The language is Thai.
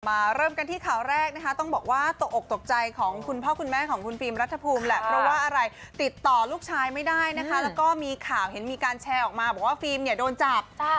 เริ่มกันที่ข่าวแรกนะคะต้องบอกว่าตกอกตกใจของคุณพ่อคุณแม่ของคุณฟิล์มรัฐภูมิแหละเพราะว่าอะไรติดต่อลูกชายไม่ได้นะคะแล้วก็มีข่าวเห็นมีการแชร์ออกมาบอกว่าฟิล์มเนี่ยโดนจับ